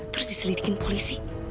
dan diselidiki oleh polisi